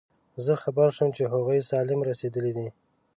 زه خبر شوم چې هغوی سالم رسېدلي دي.